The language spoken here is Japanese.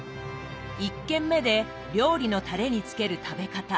１軒目で料理のタレにつける食べ方。